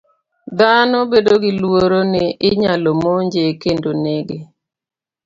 Dhano bedo gi luoro ni inyalo monje kendo nege.